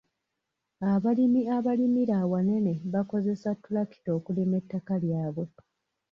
Abalimi abalimira awanene bakozesa ttulakita okulima ettaka lyabwe.